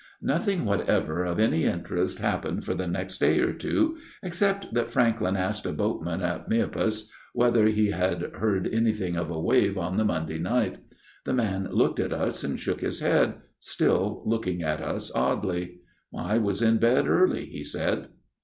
Nothing whatever of any interest happened 62 A MIRROR OF SHALOTT for the next day or two, except that Franklyn asked a boatman at Meopas whether he had heard anything of a wave on the Monday night. The man looked at us and shook his head, still looking at us oddly. ' I was in bed early/ he said.